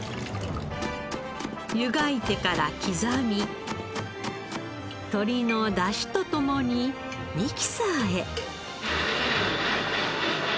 湯がいてから刻み鶏の出汁と共にミキサーへ。